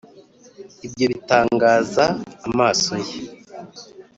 ibyo bitangaza-amaso ye.